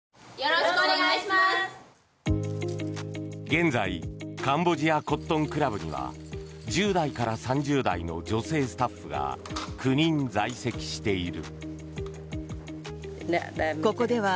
現在カンボジアコットンクラブには１０代から３０代の女性スタッフが９人在籍している。